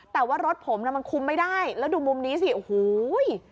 แต่ว่ารถผมน่ะมันคุมไม่ได้แล้วดูมุมนี้สิโอ้โห